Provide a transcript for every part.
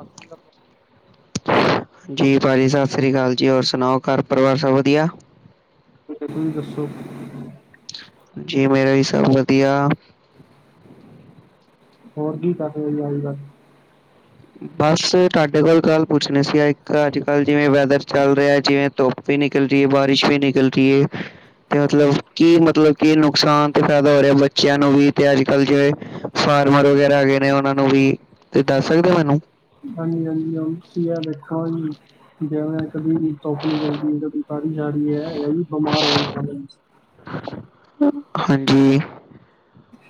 ਹਾਂ ਮਤਲਬ। ਜੀ ਭਾਅ ਜੀ ਸਤਿ ਸ਼੍ਰੀ ਅਕਾਲ ਜੀ ਹੋਰ ਸੁਣਾਓ ਘਰ ਪਰਿਵਾਰ ਸਭ ਵਧੀਆ ਤੁਸੀਂ ਦੱਸੋ? ਜੀ ਮੇਰਾ ਵੀ ਸਬ ਵਧੀਆ ਹੋਰ ਕੀ ਕਰ ਰਓ ਜੀ ਅਜ-ਕਲ ਬਸ ਤੁਹਾਡੇ ਕੋਲ ਗੱਲ ਪੁੱਛਣੀ ਸੀ ਆ ਇੱਕ ਅੱਜ-ਕੱਲ ਜਿਵੇਂ ਵੈਦਰ ਚੱਲ ਰਿਹਾ ਜਿਵੇਂ ਧੋਪ ਵੀ ਨਿਕਲਦੀ ਏ ਬਾਰਿਸ਼ ਵੀ ਨਿਕਲਦੀ ਏ ਤੇ ਮਤਲਬ ਕੀ ਮਤਲਬ ਕੀ ਨੁਕਸਾਨ ਤੇ ਫਾਇਦਾ ਹੋ ਰੇਆ ਬੱਚਿਆਂ ਨੂੰ ਵੀ ਤੇ ਅੱਜ-ਕੱਲ ਜਿਵੇਂ ਫਾਰਮਰ ਵਗੈਰਾ ਹੈਗੇ ਨੇ ਉਨਾਂ ਨੂੰ ਵੀ ਦੱਸ ਸਕਦੇ ਹੋ ਮੈਨੂੰ ਹਾਂਜੀ ਹਾਂਜੀ ਹੁਨ ਤੁਸੀਂ ਐ ਦੇਖੋ ਨਾ ਜੀ ਜਵੇੈਂ ਕਦੀ ਧੁੱਪ ਨਿਕਲਦੀ ਕਦੀ ਬਾਰਿਸ਼ ਆ ਰੀ ਆ ਐ ਵੀ ਬਿਮਾਰ ਹੋਣ ਵਾਲਾ ਹਾਂਜੀ।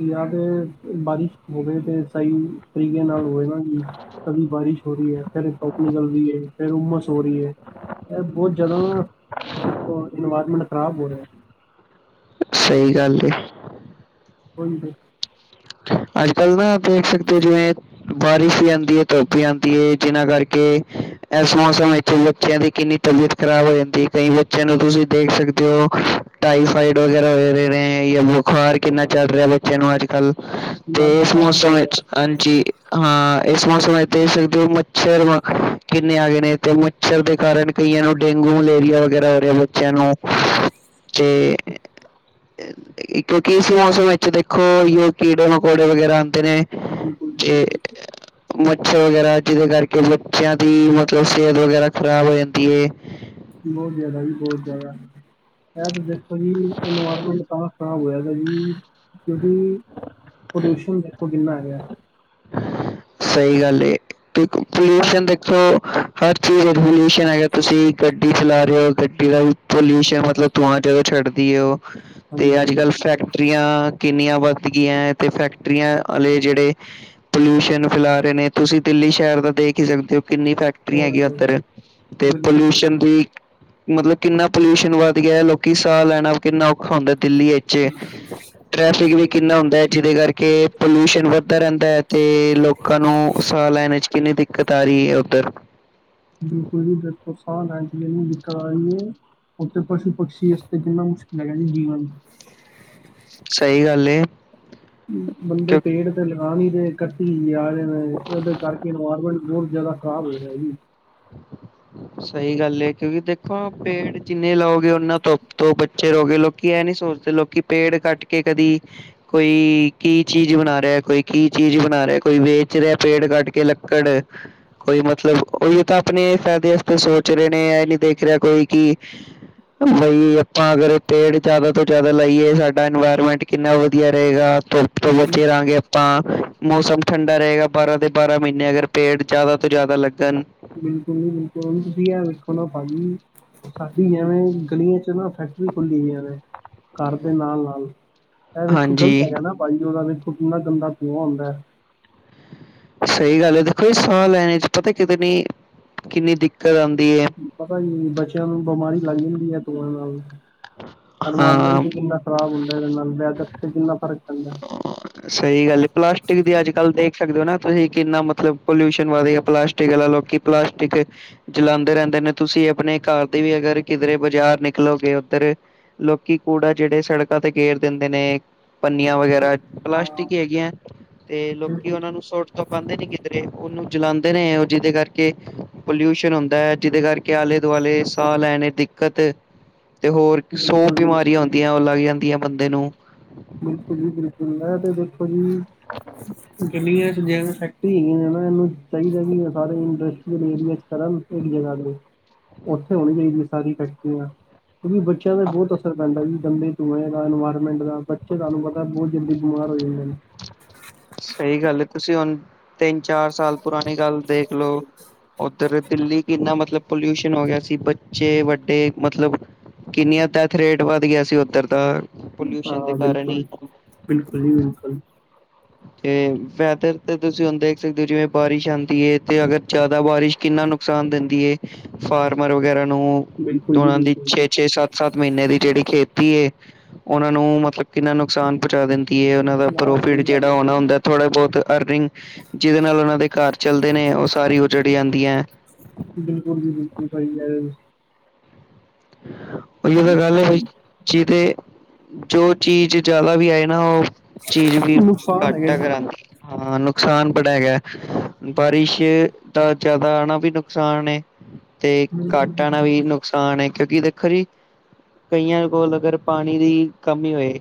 ਯ ਤੇ ਬਾਰਿਸ਼ ਹੋਵੇ ਤੇ ਸਈ ਤਰੀਕੇ ਨਾਲ ਹੋਵੇ ਨਾ ਕਦੀ ਬਾਰਿਸ਼ ਹੋ ਰਹੀ ਆ, ਕਦੇ ਧੁੱਪ ਨਿਕਲ ਰੀਏ, ਫੇਰ ਹੁੰਮਸ ਹੋ ਰਹੀ ਆ ਏ ਬੋਤ ਜਿਆਦਾ ਨਾ ਦੇਖੋ ਇਨਵਾਇਰਮੈਂਟ ਖ਼ਰਾਬ ਹੋ ਰੇਆ ਸਈ ਗੱਲ ਕਹੀ ਓਹੀ ਤੇ ਅੱਜ-ਕੱਲ ਨਾ ਦੇਖ ਸਕਦੇ ਹੋ ਜਿਵੇਂ ਬਾਰਿਸ਼ ਵੀ ਆਂਦੀ ਆ ਧੁੱਪ ਵੀ ਆਂਦੀ ਏ ਜਿਨਾ ਕਰਕੇ ਇਸ ਮੌਸਮ ਵਿੱਚ ਬੱਚਿਆਂ ਦੀ ਕਿੰਨੀ ਤਬੀਅਤ ਖ਼ਰਾਬ ਹੋ ਜਾਂਦੀ ਕਈ ਬੱਚਿਆਂ ਨੂੰ ਤੁਸੀਂ ਦੇਖ ਸਕਦੇ ਓ ਟਾਈਫਾਈਡ ਵਗੈਰਾ ਹੋ ਰਹੇ ਨੇ ਜਾਂ ਬੁਖਾਰ ਕਿੰਨਾ ਚੱਲ ਰਿਹਾ ਬੱਚੇਆਂ ਨੂੰ ਅੱਜ-ਕੱਲ ਜਾਂ ਤੇ ਇਸ ਜ਼ੁਕਾਮ ਮੌਸਮ ਹੋ ਰਿਹਾ ਹੈ, ਵਿੱਚ ਹਾਂਜੀ ਹਾਂ ਇਸ ਮੌਸਮ ਵਿੱਚ ਦੇਖ ਸਕਦੇ ਹੋ ਮੱਛਰ ਕਿੰਨੇ ਆ ਗਏ ਨੇ ਤੇ ਮੱਛਰ ਦੇ ਕਾਰਨ ਕਈਆਂ ਨੂੰ ਡੇਂਗੂ, ਮਲੇਰੀਆ ਵਗੈਰਾ ਹੋ ਰੇਆ ਬੱਚਿਆਂ ਨੂੰ ਤੇ ਕਿਉਂਕਿ ਇਸ ਮੌਸਮ ਵਿੱਚ ਦੇਖੋ ਯੋ ਕੀੜੇ-ਮਕੌੜੇ ਵਗੈਰਾ ਆਦੇ ਨੇ ਬਿਲਕੁਲ ਜੀ ਅਤੇ ਬਿਲਕੁਲ ਮੱਛਰ ਵਗੈਰਾ ਜਿਦੇ ਕਰਕੇ ਬੱਚਿਆਂ ਦੀ ਮਤਲਬ ਸਿਹਤ ਵਗੈਰਾ ਖ਼ਰਾਬ ਹੋ ਜਾਂਦੀ ਏ ਬਹੁਤ ਜਿਆਦਾ ਜੀ ਬਹੁਤ ਜਿਆਦਾ ਐ ਤੇ ਦੇਖੋ ਜੀ ਇਨਵਾਇਰਮੈਂਟ ਤਾਂ ਖ਼ਰਾਬ ਹੋਇਆ ਦਾ ਜੀ ਕਿਉਂਕਿ ਪ੍ਰਲਿਊਸ਼ਣ ਦੇਖੋ ਕਿੰਨਾ ਹੈਗਾ ਸਈ ਗੱਲ ਏ ਪੋਲਿਊਸ਼ਨ ਦੇਖੋ ਹਰ ਚੀਜ਼ ਦਾ ਪੋਲਿਊਸ਼ਨ ਹੈਗਾ ਤੁਸੀਂ ਗੱਡੀ ਚਲਾ ਰੇਅ ਓ ਗੱਡੀ ਦਾ ਵੀ ਪੋਲਿਊਸ਼ਨ ਮਤਲਬ ਧੂੰਆਂ ਜਦੋਂ ਛੱਡਦੀ ਆ ਓ ਤੇ ਹਾਂਜੀ, ਅੱਜ- ਹਾਂਜੀ ਕੱਲ ਫੈਕਟਰੀਆਂ ਕਿੰਨੀਆਂ ਵੱਧ ਗਈਆਂ ਤੇ ਫੈਕਟਰੀਆਂ ਵਾਲੇ ਜਿਹੜੇ ਪਲਊਸ਼ਨ ਫੈਲਾ ਰਏ ਨੇ ਤੁਸੀਂ ਦਿੱਲੀ ਸ਼ਹਿਰ ਦਾ ਦੇਖ ਹੀ ਸਕਦੇ ਹੋ ਕਿੰਨੀ ਫੈਕਟਰੀ ਫੈਕਟਰੀਆਂ ਹੋਰ ਹੈਗੀਆਂ ਬਿਲਕੁਲ, ਉੱਧਰ ਤੇ ਬਿਲਕੁਲ, ਪੋਲਿਊਸ਼ਨ ਦੀ ਮਤਲਬ ਕਿੰਨਾ ਪੋਲਿਊਸ਼ਨ ਵੱਧ ਗਿਆ ਲੋਕੀ ਸਾਹ ਲੈਣਾ ਕਿੰਨਾ ਔਖਾ ਹੁੰਦਾ ਦਿੱਲੀ ਵਿੱਚ ਚ ਟ੍ਰੈਫਿਕ ਵੀ ਕਿੰਨਾ ਹੁੰਦਾ ਹੈ ਜਿਹਦੇ ਕਰਕੇ ਪੋਲਿਊਸ਼ਨ ਵੱਧਦਾ ਰਹਿੰਦਾ ਹੈ ਅਤੇ ਲੋਕਾਂ ਨੂੰ ਸਾਹ ਲੈਣ ਵਿਚ ਕਿੰਨੀ ਦਿੱਕਤ ਆ ਰਹੀ ਹੈ ਉੱਧਰ ਬਿਲਕੁਲ ਜੀ ਦੇਖੋ ਸਾਹ ਲੈਣ ਚ ਕਿੰਨੀ ਦਿੱਕਤ ਆ ਰਹੀ ਏ ਉੱਥੇ ਪਸ਼ੂ ਪਕਸ਼ੀ ਵਾਸਤੇ ਕਿੰਨਾ ਮੁਸ਼ਕਿਲ ਹੈਗਾ ਜੀ ਜੀਵਨ ਸਈ ਗੱਲ ਏ। ਬੰਦੇ ਕਿਉਂ ਪੇੜ ਤੇ ਲਗਾ ਨੀ ਰਏ ਕੱਟੀ ਜਾ ਰਏ ਨੇ ਏਦੇ ਕਰਕੇ ਇਨਵਾਇਰਮੈਂਟ ਬੋਤ ਜ਼ਿਆਦਾ ਤਾਂ [inaudible] ਹੈ ਜੀ [inaudible] ਸਈ ਗੱਲ ਐ ਕਿਉਂਕਿ ਦੇਖੋ, ਪੇੜ ਜਿੰਨੇ ਲਾਓਗੇ ਓਨਾ ਧੁੱਪ ਤੋਂ ਬਚੇ ਰਓਗੇ ਲੋਕੀ ਏਹ ਨੀ ਸੋਚਦੇ ਲੋਕ ਕਿ ਪੇੜ ਕੱਟ ਕੇ ਕਦੀ ਕੋਈ ਕੀ ਚੀਜ਼ ਬਣਾ ਰਿਆ, ਕੋਈ ਕੀ ਚੀਜ਼ ਬਣਾ ਰਿਆ, ਕੋਈ ਵੇਚ ਰਿਆ ਪੇੜ ਕੱਟ ਕੇ ਲੱਕੜ ਕੋਈ ਮਤਲਬ ਉਈਤੇ ਆਪਣੇ ਫੈਦੇ ਅਸਤੇ ਸੋਚ ਰਏ ਨੇ ਏਹ ਨਈ ਦੇਖ ਰਿਆ ਕੋਈ ਕੀ ਬਈ, ਆਪਾਂ ਅਗਰ ਪੇੜ ਜਿਆਦਾ ਤੋਂ ਜਿਆਦਾ ਲਾਈਏ ਸਾਡਾ ਇਨਵਾਇਰਮੈਂਟ ਕਿੰਨਾ ਵਦੀਆ ਰਏਗਾ ਧੁੱਪ ਤੋਂ ਬਿਲਕੁਲ, ਬਚੇ ਰਾਂਗੇ ਆ ਤਾਂ, ਮੌਸਮ ਠੰਡਾ ਰਏਗਾ ਬਾਰਾਂ ਦੇ ਬਾਰਾਂ ਮਹੀਨੇ ਅਗਰ ਪੇੜ ਜ਼ਿਆਦਾ ਤੋਂ ਜ਼ਿਆਦਾ ਲੱਗਨ ਬਿਲਕੁਲ ਜੀ ਬਿਲਕੁਲ, ਤੁਸੀਂ ਐਹ ਵੇਖੋ ਨਾ ਭਾਜੀ ਸਾਡੀ ਐਵੇਂ, ਗਲੀਆਂ ਚ ਨਾ ਫੈਕਟਰੀ ਖੁੱਲੀ ਈ ਐਵੇਂ ਘਰ ਦੇ ਨਾਲ-ਨਾਲ, ਏਹ ਵੇਖੋ ਗ਼ਲਤ ਹਾਂਜੀ ਹੈਗਾ ਨਾ ਭਾਜੀ ਓਦਾ ਵੇਖੋ ਕਿੰਨਾ ਗੰਦਾ ਧੂੰਆਂ ਹੂੰਦੈ। ਸਈ ਗੱਲ ਐ ਦੇਖੋ ਜੀ ਸਾਹ ਲੈਣੇ ਚ ਪਤਾ ਏ ਕਿਤਨੀ, ਕਿੰਨੀ ਦਿੱਕਤ ਆਂਦੀ ਏ। ਪਤਾ ਜੀ ਬੱਚਿਆਂ ਨੂੰ ਬਿਮਾਰੀ ਲੱਗ ਜਾਂਦੀ ਐ ਧੂੰਏਂ ਨਾਲ, ਹਾਂ, ਐਨਵਾਇਰਮੈਂਟ ਵੀ ਕਿੰਨਾ ਖਰਾਬ ਹੁੰਦਾ ਏਦੇ ਨਾਲ ਵੈਦਰ ਤੇ ਕਿੰਨਾ ਫਰਕ ਪੈਂਦਾ ਸਈ ਗੱਲ ਐ ਪਲਾਸਟਿਕ ਦੀ ਅੱਜ-ਕੱਲ ਦੇਖ ਸਕਦੇ ਓ ਨਾ ਤੁਸੀਂ ਕਿੰਨਾ ਮਤਲਬ ਪੋਲਿਊਸ਼ਨ ਵੱਧ ਗਿਆ ਪਲਾਸਟਿਕ ਆਲਾ ਲੋਕੀ ਪਲਾਸਟਿਕ ਜਲਾਦੇ ਰਹਿੰਦੇ ਨੇ ਤੁਸੀਂ ਆਪਣੇ ਘਰ ਦੀ ਵੀ ਅਗਰ ਕਿਧਰੇ ਬਾਜ਼ਾਰ ਨਿਕਲੋਗੇ ਓਧਰ ਲੋਕੀ ਕੂੜਾ ਜੇੜੇ ਸੜਕਾਂ ਤੇ ਗੇਰ ਦਿੰਦੇ ਨੇ, ਪੰਨੀਆਂ ਵਗੈਰਾ ਹਾਂ, ਪਲਾਸਟਿਕ ਹੈਗੀਆਂ ਤੇ ਲੋਕੀ ਬਿਲਕੁਲ ਓਨਾਂ ਨੂੰ ਸੁਟ ਤਾਂ ਪਾਂਦੇ ਨੀ ਕਿੱਧਰੇ ਓਨੂੰ ਜਲਾਂਦੇ ਨੇ ਓ ਜੀਦੇ ਕਰਕੇ ਪੋਲਿਊਸ਼ਨ ਹੁੰਦਾ ਐ ਜੀਦੇ ਕਰਕੇ ਆਲੇ-ਦੁਆਲੇ ਸਾਹ ਲੈਣੇ ਦਿੱਕਤ ਤੇ ਹੋਰ ਸੌ ਬਿਲਕੁਲ ਜੀ ਬਿਮਾਰੀਆਂ ਹੁੰਦੀਐ ਓ ਲੱਗ ਜਾਂਦੀਆਂ ਬੰਦੇ ਨੂੰ। ਬਿਲਕੁਲ ਜੀ ਬਿਲਕੁਲ, ਏਹ ਤੇ ਦੇਖੋ ਜੀ ਗਲੀਆਂ ਚ ਜਿਆਦਾ ਫੈਕ ਟਰੀਆ ਹੈਗੀਆਂ ਨੇ ਨਾ ਏਨੂੰ, ਚਾਈਦਾ ਵੀ ਸਾਰੇ ਇੰਡਸਟਰੀਅਲ ਏਰੀਆ ਚ ਕਰਨ ਇੱਕ ਜਗਾ ਮਿਲੇ ਉੱਥੇ ਹੋਣੀ ਚਾਹੀਦੀਆਂ ਸਾਰੀ ਫੈਕਟਰੀਆਂ ਕਿਉਂਕਿ ਬੱਚਿਆਂ ਤੇ ਬੋਤ ਅਸਰ ਪੈਂਦਾ ਜੀ ਗੰਦੇ ਧੂੰਏ ਦਾ ਇਨਵਾਇਰਮੈਂਟ ਦਾ ਬੱਚੇ ਤੁਆਨੂੰ ਪਤਾ ਬੋਤ ਜਲਦੀ ਬਿਮਾਰ ਹੋ ਜਾਂਦੇ ਨੇ। ਸਈ ਗੱਲ ਐ ਤੁਸੀਂ ਹੁਣ ਤਿੰਨ-ਚਾਰ ਸਾਲ ਪੁਰਾਣੀ ਗੱਲ ਦੇਖ ਲਓ, ਓਧਰ ਦਿੱਲੀ ਕਿੰਨਾ ਮਤਲਬ ਪੋਲਿਊਸ਼ਨ ਹੋ ਗਿਆ ਸੀ ਬੱਚੇ ਵੱਡੇ ਮਤਲਬ ਕਿੰਨੀਆਂ ਡੈਥ ਰੇਟ ਵੱਧ ਗਿਆ ਸੀ ਓਧਰ ਦਾ ਪੋਲਿਊਸ਼ਨ ਦੇ ਹਾਂ ਕਾਰਨ ਬਿਲਕੁਲ, ਹੀ ਬਿਲਕੁਲ ਜੀ ਬਿਲਕੁਲ। ਤੇ ਵੈਦਰ ਤੇ ਤੁਸੀਂ ਹੁਣ ਦੇਖ ਸਕਦੇ ਓ ਜਿਵੇਂ ਬਾਰਿਸ਼ ਆਂਦੀ ਏ ਤੇ ਅਗਰ ਜਿਆਦਾ ਬਾਰਿਸ਼ ਕਿੰਨਾਂ ਨੂੰ ਨੁਕਸਾਨ ਦਿੰਦੀ ਏ, ਫਾਰਮਰ ਵਗੈਰਾ ਨੂੰ ਤੇ ਬਿਲਕੁਲ ਜੀ ਓਨਾਂ ਦੀ ਬਿਲਕੁਲ। ਛੇ-ਛੇ ਸੱਤ ਸੱਤ ਮਹੀਨੇ ਦੀ ਜੇਹੜੀ ਖੇਤੀ ਏ, ਓਨਾਂ ਨੂੰ ਮਤਲਬ ਕਿਨਾਂ ਨੁਕ ਨੁਕਸਾਨ ਪੁਚਾ ਦਿੰਦੀ ਏ। ਓਨਾਂ ਦਾ ਨਾ ਸਹੀ ਪ੍ਰੋਫਿਟ ਗੱਲ ਜੇਹੜਾ ਆਉਣਾ ਜੀ, ਹੁੰਦਾ ਐ। ਥੋੜਾ-ਬੋਤ ਅਰਨਿੰਗ, ਜਿਹਦੇ ਨਾਲ ਓਨਾਂ ਦੇ ਘਰ ਚੱਲਦੇ ਨੇ, ਓ ਸਾਰੀ ਉਜੜ ਜਾਂਦੀ ਐ ਬਿਲਕੁਲ ਜੀ- ਬਿਲਕੁਲ, ਸਈ [unintelligible] ਓਈ ਓ ਤਾਂ ਗੱਲ ਐ ਬਾਈ, ਜੀਦੇ, ਜੋ ਚੀਜ ਜਿਆਦਾ ਵੀ ਆਏ ਨਾ ਓ ਚੀਜ਼ ਵੀ, ਹੋ। ਨੁਕਸਾਨ ਹੈਗਾ ਘਾਟਾ ਜੀ। ਕਰਾਂਦੀ ਐ। ਹਾਂ। ਨੁਕਸਾਨ ਬੜਾ ਹੈਗਾ ਏ, ਬਾਰਿਸ਼ ਦਾ ਜ਼ਿਆਦਾ ਆਣਾ ਵੀ ਨੁਕਸਾਨ ਏ ਤੇ ਘੱਟ ਆਣਾ ਵੀ ਨੁਕਸਾਨ ਏ। ਕਿਉਂਕਿ ਦੇਖੋ ਜੀ, ਕਈਆਂ ਕੋਲ ਅਗਰ ਪਾਣੀ ਦੀ ਕਮੀ ਹੋਏ।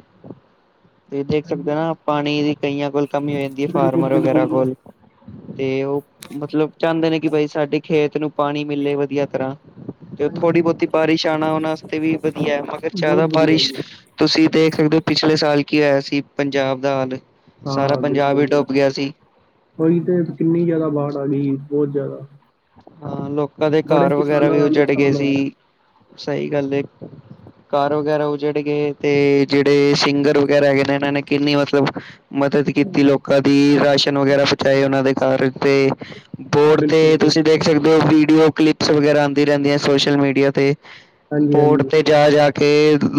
ਤੁਸੀਂ ਦੇਖ ਸਕਦੇ ਓ ਨਾ, ਪਾਣੀ ਦੀ ਕਈਆਂ ਕੋਲ ਕਮੀ ਹੋ ਜਾਂਦੀ ਐ। ਬਿਲਕੁਲ, ਫਾਰਮਰ ਵਗੈਰਾ ਬਿਲਕੁਲ ਜੀ। ਕੋਲ ਤੇ ਓ ਮਤਲਬ, ਚਾਂਦੇ ਨੇ ਕਿ ਬਾਈ ਸਾਡੇ ਖੇਤ ਨੂੰ ਪਾਣੀ ਮਿਲੇ ਵਦੀਆ ਤਰਾਂ ਤੇ ਓ ਥੋੜੀ ਬੋਤੀ ਬਾਰਿਸ਼ ਆਂਣਾ। ਓਨਾਂ ਆਸਤੇ ਵੀ ਵਦੀਆ ਐ। ਮਗਰ ਜਿਆਦਾ ਬਹੁਤ ਵਧੀਆ ਬਾਰਿਸ਼ ਜੀ, ਤੁਸੀਂ ਦੇਖ ਸਕਦੇ ਓ, ਪਿਛਲੇ ਸਾਲ ਕੀ ਹੋਇਆ ਸੀ। ਪੰਜਾਬ ਦਾ ਹਾਲ। ਸਾਰਾ ਪੰਜਾਬ ਹੀ ਡੁੱਬ ਗਿਆ ਸੀ। ਓਹੀ ਤੇ ਕਿੰਨੀ ਜ਼ਿਆਦਾ ਬਾੜ ਆ ਗਈ। ਜ ਬਹੁਤ ਜਿਆਦਾ ਹਾਂ, ਲੋਕਾਂ ਦੇ ਘਰ ਵਗੈਰਾ ਵੀ ਦਾ ਉਝੜ ਗਏ ਨੁਕਸਾਨ ਹੋਇਆ। ਸੀ। ਸਹੀ ਗੱਲ ਏ। ਕਾਰ ਵਗੈਰਾ ਉਜੜਗੇ ਤੇ, ਜਿਹੜੇ ਸਿੰਗਰ ਵਗੈਰਾ ਹੈਗੇ ਨੇ, ਇਹਨਾਂ ਨੇ ਕਿੰਨੀ ਮਤਲਬ ਮਦਦ ਕੀਤੀ ਲੋਕਾਂ ਦੀ। ਰਾਸ਼ਨ ਵਗੈਰਾ, ਪਹੁੰਚਾਏ। ਉਹਨਾਂ ਦੇ ਘਰ ਤੇ ਬੋਰਡ ਤੇ ਬਿਲਕੁਲ ਜੀ, ਤੁਸੀਂ ਦੇਖ ਸਕਦੇ ਓ। ਵੀਡੀਓ, ਕਲਿਪਸ ਵਗੈਰਾ ਆਉਂਦੀ ਰਹਿੰਦੀਆਂ। ਸੋਸ਼ਲ ਮੀਡੀਆ ਤੇ ਬੋਰਡ ਹਾਂਜੀ-ਹਾਂਜੀ, ਤੇ ਜਾ-ਜਾ ਕੇ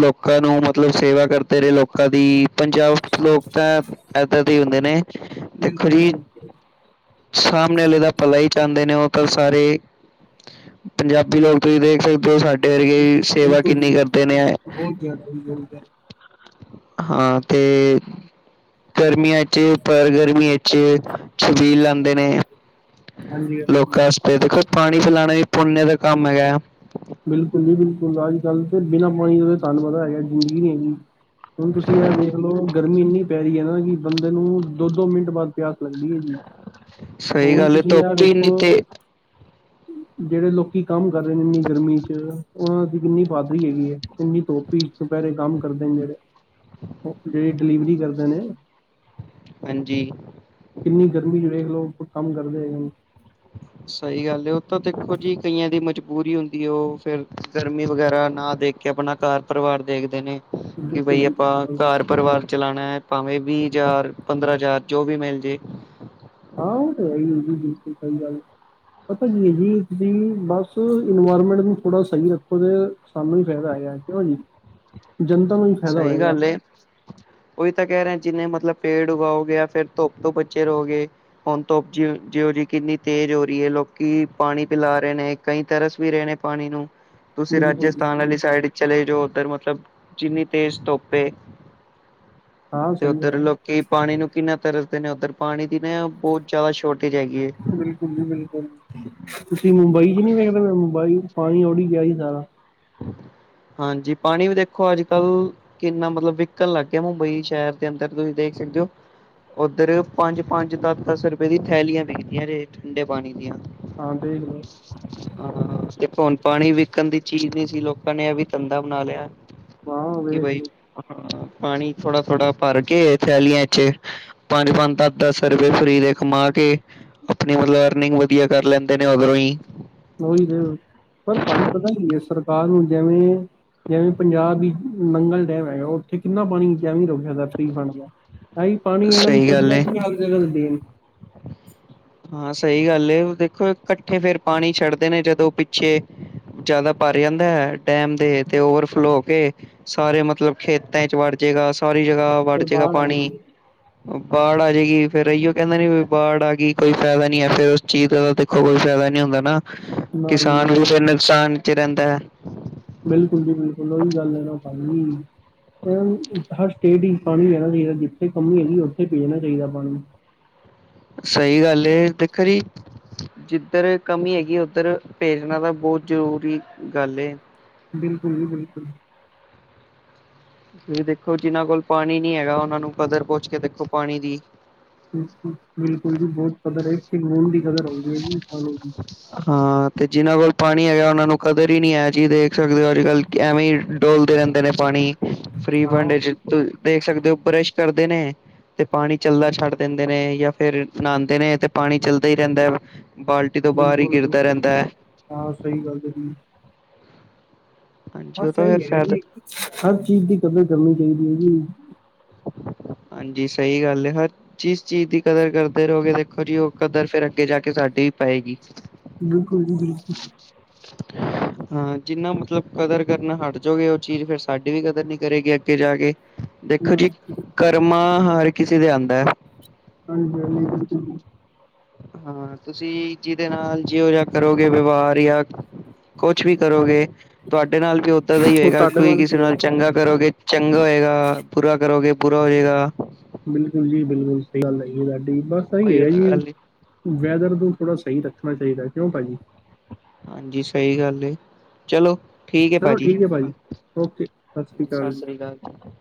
ਲੋਕਾਂ ਨੂੰ ਮਤਲਬ, ਸੇਵਾ ਕਰਦੇ ਰਹੇ ਲੋਕਾਂ ਦੀ। ਪੰਜਾਬ ਲੋਕ ਤਾਂ ਇੱਦਾਂ ਦੇ ਹੀ ਹੁੰਦੇ ਨੇ। ਦੇਖੋ ਜੀ, ਸਾਹਮਣੇ ਵਾਲੇ ਦਾ ਪਲਾ ਹੀ ਚਾਦੇ ਨੇ। ਉਹ ਤਾਂ ਸਾਰੇ ਪੰਜਾਬੀ ਲੋਕ, ਤੁਸੀਂ ਦੇਖ ਸਕਦੇ ਓ। ਸਾਡੇ ਵਰਗੇ ਸੇਵਾ ਬਿਲਕੁਲ ਜੀ, ਕਿੰਨੀ ਕਰਦੇ ਬਿਲਕੁਲ ਨੇ ਬਹੁਤ ਜ਼ਿਆਦਾ ਹਾਂ, ਤੇ ਗਰਮੀਆਂ ਚ, ਪਰ ਗਰਮੀਆਂ ਚ ਛਬੀਲ ਲਾਂਦੇ ਨੇ। ਹਾਂਜੀ-ਹਾਂਜੀ। ਲੋਕਾਂ ਤੇ ਦੇਖੋ, ਪਾਣੀ ਪਿਲਾਣਾ ਵੀ ਪੁੁੰਨ ਦਾ ਕੰਮ ਹੈਗਾ। ਬਿਲਕੁਲ ਜੀ, ਬਿਲਕੁਲ ਅੱਜ-ਕੱਲ ਤੇ ਬਿਨਾਂ ਪਾਣੀ ਤੋਂ ਤੈਨੂੰ ਪਤਾ ਹੈਗਾ, ਜ਼ਿੰਦਗੀ ਨਹੀਂ ਹੈਗੀ। ਹੁਣ, ਤੁਸੀਂ ਇਹ ਵੇਖ ਲਓ। ਗਰਮੀ ਇੰਨੀ ਪੈ ਰਹੀ ਹੈ ਨਾ, ਕਿ ਬੰਦੇ ਨੂੰ ਦੋ-ਦੋ ਮਿੰਟ ਬਾਅਦ ਪਿਆਸ ਲੱਗਦੀ ਹੈਗੀ। ਸਹੀ ਹੁਣ ਗੱਲ ਹੈ ਤੁਸੀਂ ਆ ਧੁੱਪ ਹੀ ਇੰਨੀ ਵੇਖੋ, ਤੇ ਜਿਹੜੇ ਲੋਕੀ ਕੰਮ ਕਰ ਰਹੇ ਨੇ, ਇੰਨੀ ਗਰਮੀ ਚ। ਉਹਨਾਂ ਦੀ ਕਿੰਨੀ ਬਾਦਰੀ ਹੈਗੀ ਐਂ। ਕਿੰਨੀ ਧੋਪੀ ਚ ਦੁਪਹਿਰੇ ਕੰਮ ਕਰਦੇ ਨੇ ਜਿਹੜੇ। ਜਿਹੜੇ ਡਿਲੀਵਰੀ ਕਰਦੇ ਨੇ। ਹਾਂਜੀ। ਕਿੰਨੀ ਗਰਮੀ, ਜਿਹੜੇ ਲੋਕ ਕੰਮ ਕਰਦੇ ਹੈਗੇ ਨੇ। ਸਹੀ ਗੱਲ ਏ। ਉਹ ਤਾਂ ਦੇਖੋ ਜੀ, ਕਈਆਂ ਦੀ ਮਜਬੂਰੀ ਹੁੰਦੀ ਐ। ਉਹ ਫਿਰ ਗਰਮੀ ਵਗੈਰਾ ਨਾ ਦੇਖ ਕੇ, ਆਪਣਾ ਘਰ ਪਰਿਵਾਰ ਦੇਖਦੇ ਨੇ, ਕਿ ਬਿਲਕੁਲ ਬਈ ਜੀ ਆਪਾਂ ਬਿਲਕੁਲ ਘਰ ਪਰਿਵਾਰ ਚਲਾਣਾ ਐ। ਭਾਵੇਂ ਵੀਹ ਹਜ਼ਾਰ, ਪੰਦਰਾਂ ਹਜ਼ਾਰ ਜੋ ਵੀ ਮਿਲ ਜੇ। ਹਾਂ। ਉਹ ਤੇ ਹੈ ਹੀ ਏ, ਜੀ। ਬਿਲਕੁਲ ਸਹੀ ਗੱਲ। ਪਤਾ ਕੀ ਹੈ ਜੀ। ਤੁਸੀਂ ਬੱਸ ਇਨਵਾਇਰਮੈਂਟ ਨੂੰ ਥੋੜ੍ਹਾ ਸਹੀ ਰੱਖੋ। ਅਤੇ ਸਾਨੂੰ ਹੀ ਫੈਦਾ ਹੈਗਾ। ਕਿਊ ਜੀ? ਜਨਤਾ ਨੂੰ ਫਾਇਦਾ ਸਹੀ ਹੋਏਗਾ ਗੱਲ ਏ। ਉਹੀ ਤਾਂ ਕਹਿ ਰਹੇ, ਜਿੰਨੇ ਮਤਲਬ ਪੇੜ ਉਗਾਓ ਗੇ, ਫੇਰ ਧੁੱਪ ਤੋਂ ਬੱਚੇ ਰਹੋਗੇ। ਹੁਣ ਤੋਪ ਜ ਜਿਓ ਜੀ, ਕਿੰਨੀ ਤੇਜ਼ ਹੋ ਰਹੀ ਐ। ਲੋਕੀ ਪਾਣੀ ਪਿਲਾ ਰਹੇ ਨੇ। ਕਈ ਤਰਸ ਵੀ ਰਹੇ ਨੇ ਪਾਣੀ ਨੂੰ। ਤੁਸੀਂ ਬਿਲਕੁਲ ਰਾਜਸਥਾਨ ਜੀ ਵਾਲੀ ਸਾਈਡ ਚਲੇ ਜਾਓ, ਉੱਧਰ ਮਤਲਬ ਜਿੰਨੀ ਤੇਜ਼ ਧੋਪ ਏ ਹਾਂ ਤੇ, ਸਹੀ ਉੱਧਰ ਗੱਲ ਲੋਕ ਕਿ ਪਾਣੀ ਨੂੰ ਕਿੰਨਾ ਤਰਸਦੇ ਨੇ। ਉੱਧਰ ਪਾਣੀ ਦੀ ਨਾ ਬਹੁਤ ਜ਼ਿਆਦਾ ਸ਼ੋਰਟੇਜ ਹੈਗੀ ਏ। ਬਿਲਕੁਲ ਜੀ- ਬਿਲਕੁਲ, ਤੁਸੀਂ ਮੁੰਬਈ ਚ ਨੀ ਵੇਖਦੇ ਪਏ ਮ ਮੁੰਬਈ ਪਾਣੀ ਓੜ ਹੀ ਗਿਆ ਸੀ ਸਾਰਾ। ਹਾਂਜੀ। ਪਾਣੀ ਵੀ ਦੇਖੋ, ਅੱਜ-ਕੱਲ ਕਿੰਨਾ ਮਤਲਬ ਵਿਕਣ ਲੱਗ ਗਿਆ, ਮੁੰਬਈ ਸ਼ਹਿਰ ਦੇ ਅੰਦਰ ਤੁਸੀਂ ਦੇਖ ਸਕਦੇ ਓ। ਉੱਧਰ ਪੰਜ-ਪੰਜ, ਦਸ-ਦਸ ਰੁਪਏ ਦੀ ਥੈਲੀਆਂ ਵਿਕਦੀਆਂ ਦੇ, ਠੰਡੇ ਪਾਣੀ ਦੀਆਂ। ਹਾਂ, ਦੇਖ ਲਓ। ਹਾਂ ਤੇ ਹੁਣ ਪਾਣੀ ਵਿਚਣ ਦੀ ਚੀਜ਼ ਨੀ ਸੀ। ਲੋਕਾਂ ਨੇ ਇਹ ਵੀ ਧੰਦਾ ਬਣਾ ਲਿਆ। ਹਾਂ ਕਿ ਵੇਖ ਬਾਈ ਲਓ ਹਾਂ, ਪਾਣੀ ਥੋੜਾ-ਥੋੜਾ ਭਰ ਕੇ, ਥੈਲੀਆਂ ਚ ਪੰਜ-ਪੰਜ, ਦੱਸ-ਦੱਸ ਰੁਪਏ ਫਰੀ ਦੇ ਕਮਾ ਕੇ ਆਪਣੀ ਮਤਲਬ ਅਰਨਿੰਗ ਵਧੀਆ ਕਰ ਲੈਂਦੇ ਨੇ, ਓਧਰੋਂ ਹੀ। ਉਹੀ ਤੇ, ਪਰ ਭਾਜੀ ਪਤਾ ਕੀ ਐ? ਸਰਕਾਰ ਨੂੰ ਜਿਵੇਂ ਜਿਵੇਂ ਪੰਜਾਬ ਹੀ, ਨੰਗਲ ਡੈਮ ਹੈਗਾ, ਉੱਥੇ ਕਿੰਨਾ ਪਾਣੀ ਏ। ਕਿ ਰੁਕਿਆਣ ਦਾ ਤਾਂ ਫਰੀ ਫੰਡ ਦਾ, ਇਹੀ ਪਾਣੀ ਇਹਨਾਂ ਨੂੰ ਸਹੀ ਗੱਲ ਚਾਹੀਦਾ ਏ। ਕਿ ਅਗੇ ਦੇਣ। ਹਾਂ ਸਹੀ ਗੱਲ ਏ। ਦੇਖੋ, ਇਕੱਠੇ ਫੇਰ ਪਾਣੀ ਛੱਡਦੇ ਨੇ, ਜਦੋਂ ਪਿੱਛੇ ਜ਼ਿਆਦਾ ਭਰ ਜਾਂਦਾ ਐ, ਡੈਮ ਦੇ ਤੇ ਓਵਰਫਲੋ ਹੋ ਕੇ ਸਾਰੇ ਮਤਲਬ ਖੇਤਾਂ ਚ ਵੜ ਜੇਗਾ, ਸਾਰੀ ਜਗ੍ਹਾ ਵੜ ਫਿਰ ਜਾਏਗਾ ਬਾਹਰ ਆ ਪਾਣੀ ਜਾਂਦੇ ਬਾੜ ਆ ਜਾਏਗੀ, ਫੇਰ ਇਹੀਓ ਕਹਿੰਦੇ ਨੀ ਵੀ ਬਾੜ ਆ ਗਈ। ਕੋਈ ਫਾਇਦਾ ਨੀ ਐ, ਫਿਰ ਉਸ ਚੀਜ਼ ਦਾ ਦੇਖੋ, ਕੋਈ ਫਾਇਦਾ ਨੀ ਹੁੰਦਾ ਨਾ, ਨਾ ਜੀ ਕਿਸਾਨ ਨਾ ਨੂੰ ਵੀ ਫਿਰ ਨੁਕਸਾਨ ਵਿਚ ਰਹਿੰਦਾ। ਬਿਲਕੁਲ ਜੀ ਬਿਲਕੁਲ, ਓਹੀ ਗੱਲ ਹੈ ਨਾ ਸਾਰੀ। ਹਰ ਸਟੇਟ ਵਿੱਚ ਪਾਣੀ ਪਹਿਣਾ ਚਾਹੀਦਾ, ਜਿੱਥੇ ਕਮੀ ਆਦੀ ਉੱਥੇ ਪ਼ਭੇਜਣਾ ਚਾਹੀਦਾ ਪਾਣੀ। ਸਹੀ ਗੱਲ ਏ ਤੇ ਕਈ ਜਿੱਧਰ ਕਮੀ ਹੈਗੀ, ਉੱਧਰ ਭੇਜਣਾ ਤਾਂ ਬਹੁਤ ਜ਼ਰੂਰੀ ਗੱਲ ਏ। ਬਿਲਕੁਲ ਜੀ ਬਿਲਕੁਲ। ਵੀ ਦੇਖੋ ਜਿਨਾਂ ਕੋਲ ਪਾਣੀ ਨੀ ਹੈਗਾ ਉਹਨਾਂ ਨੂੰ ਕਦਰ ਪੁੱਛ ਕੇ ਦੇਖੋ ਪਾਣੀ ਦੀ। ਬਿਲਕੁਲ-ਬਿਲਕੁਲ ਵੀ ਬਹੁਤ ਕਦਰ ਹੈ ਇਕ-ਇਕ ਬੂੰਦ ਦੀ ਕਦਰ ਹੁੰਦੀ ਹੈ ਪਾਣੀ ਦੀ। ਹਾਂ, ਤੇ ਜਿਨਾਂ ਵਲ ਪਾਣੀ ਹੈਗਾ ਉਨਾਂ ਨੂੰ ਕਦਰ ਹੀ ਨੀ ਹੈ ਜੀ ਦੇਖ ਸਕਦੇ ਹੋ ਅੱਜ-ਕੱਲ੍ਹ ਐਵੇਂ ਹੀ ਡੋਲਦੇ ਰਹਿੰਦੇ ਨੇ ਪਾਣੀ। ਹਾਂ ਫਰੀ-ਫੰਡ ਚ ਬਿਲਕੁਲ ਦੇਖ ਸਕਦੇ ਹੋ ਬਰਸ਼ ਕਰਦੇ ਨੇ ਤੇ ਪਾਣੀ ਚੱਲਦਾ ਛੱਡ ਦਿੰਦੇ ਨੇ ਜਾਂ ਫੇਰ ਨਹਾਦੇ ਨੇ ਤੇ ਪਾਣੀ ਚੱਲਦਾ ਹੀ ਰਹਿੰਦਾ ਹੈ ਬਾਲਟੀ ਤੋਂ ਬਾਹਰ ਹੀ ਗਿਰਦਾ ਰਹਿੰਦਾ ਬਿਲਕੁਲ-ਬਿਲਕੁਲ, ਹੈ ਹਾਂ ਸਹੀ ਗੱਲ ਹੈ ਜੀ। ਹਾ, ਹਾਂਜੀ ਉਹ ਤਾਂ ਫਿਰ ਸਹੀ ਹੈਗਾ ਫਾਇਦਾ ਜੀ ਹਰ ਚੀਜ਼ ਦੀ ਕਦਰਰ ਕਰਨੀ ਚਾਹੀਦੀ ਹੈ ਜੀ। ਹਾਂਜੀ, ਸਹੀ ਗੱਲ ਹੈ ਫਿਰ। ਜਿਸ ਚੀਜ਼ ਦੀ ਕਦਰ ਕਰਦੇ ਰਹੋਗੇ ਦੇਖੋ ਜੀ ਉਹ ਕਦਰ ਫਿਰ ਅੱਗੇ ਜਾ ਕੇ ਸਾਡੀ ਵੀ ਪਾਏਗੀ। ਬਿਲਕੁਲ ਜੀ ਬਿਲਕੁਲ। [inaudible] ਹਾਂ, ਜਿੰਨਾ ਮਤਲਬ ਕਦਰ ਕਰਨਾ ਹਟ ਜਾਓਗੇ, ਉਹ ਚੀਜ਼ ਫੇਿਰ ਸਾਡੀ ਵੀ ਕਦਰ ਨੀ ਕਰੇਗੀ ਅੱਗੇ ਜਾ ਕੇ। ਦੇਖੋ ਜੀ, ਹਾਂਜੀ ਕਰਮਾ ਹਰ ਕਿਸੇ ਦੇ ਆਂਦਾ। ਹਾ ਫਿਰ ਬਿਲਕੁਲ ਜੀ। ਹਾਂ, ਤੁਸੀਂ ਜਿਹਦੇ ਨਾਲ ਜਿਹੋ ਜਿਹਾ ਕਰੋਗੇ ਵਿਵਹਾਰ ਜਾਂ ਕੁਛ ਵੀ ਕਰੋਗੇ ਤੁਹਾਡੇ ਨਾਲ ਵੀ ਇਦਾਂ ਦਾ ਹੀ ਉਹ ਹੋਏਗਾ ਤੁਹਾਡੇ ਕੋਈ ਵੱਲ ਕਿਸੇ ਨਾਲ ਚੰਗਾ ਕਰੋਗੇ ਚੰਗਾ ਹੋਏਗਾ, ਬੁਰਾ ਕਰੋਗੇ ਬੁਰਾ ਹੋਏਗਾ। ਬਿਲਕੁਲ ਜੀ ਬਿਲਕੁਲ, ਸਹੀ ਗੱਲ ਹੈ ਤੁਹਾਡੀ ਬਸ ਸਹੀ ਕੋਈ ਹੈਗਾ ਜੀ। ਗੱਲ ਨਹੀਂ ਵੈਦਰ ਨੂੰ ਥੋੜ੍ਹਾ ਸਹੀ ਰੱਖਣਾ ਚਾਹੀਦਾ ਕਿਉਂ ਭਾਜੀ। ਹਾਂਜੀ, ਸਹੀ ਗੱਲ ਏ ਚਲੋ। ਠੀਕ ਹੈ ਚਲੋ ਭਾਜੀ ਭਾਅ ਜੀ ਓਕੇ ਸਤਿ ਸ਼੍ਰੀ ਸਤਿ ਜੀ ਸ੍ਰੀ ਅਕਾਲ ਜੀ